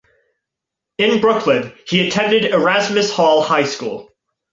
In Brooklyn, he attended Erasmus Hall High School.